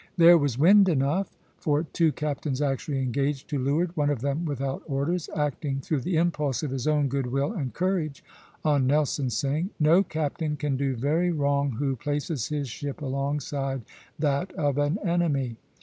There was wind enough; for two captains actually engaged to leeward, one of them without orders, acting, through the impulse of his own good will and courage, on Nelson's saying, "No captain can do very wrong who places his ship alongside that of an enemy."